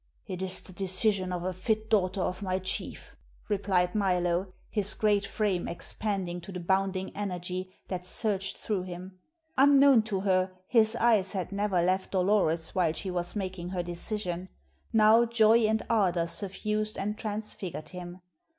"It is the decision of a fit daughter of my chief," replied Milo, his great frame expanding to the bounding energy that surged through him. Unknown to her, his eyes had never left Dolores while she was making her decision; now joy and ardor suffused and transfigured him.